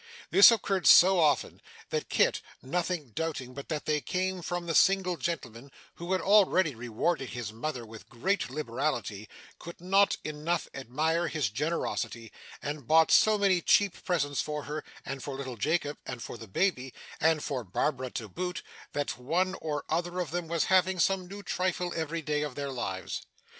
This occurred so often, that Kit, nothing doubting but that they came from the single gentleman who had already rewarded his mother with great liberality, could not enough admire his generosity; and bought so many cheap presents for her, and for little Jacob, and for the baby, and for Barbara to boot, that one or other of them was having some new trifle every day of their lives.